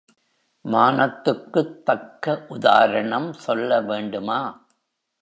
மானத்துக்குத் தக்க உதாரணம் சொல்ல வேண்டுமா?